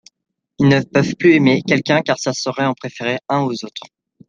Ils ne peuvent plus aimer quelqu'un car ce serait en préférer un aux autres.